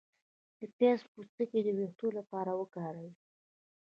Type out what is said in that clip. د پیاز پوستکی د ویښتو لپاره وکاروئ